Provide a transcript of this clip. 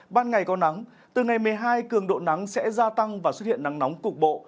ban ngày có nắng từ ngày một mươi hai cường độ nắng sẽ gia tăng và xuất hiện nắng nóng cục bộ